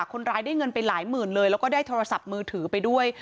คนร้ายได้เงินไปหลายหมื่นเลยแล้วก็ได้โทรศัพท์มือถือไปด้วย